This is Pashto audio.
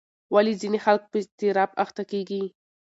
ولې ځینې خلک په اضطراب اخته کېږي؟